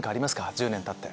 １０年たって。